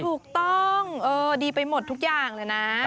ถูกต้องดีไปหมดทุกอย่างเลยนะ